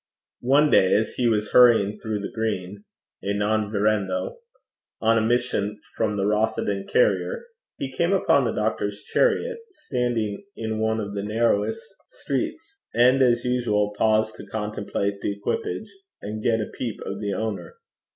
One day as he was hurrying through the Green (a non virendo) on a mission from the Rothieden carrier, he came upon the doctor's chariot standing in one of the narrowest streets, and, as usual, paused to contemplate the equipage and get a peep of the owner.